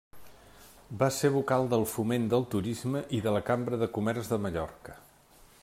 Va ser vocal del Foment del Turisme i de la Cambra de Comerç de Mallorca.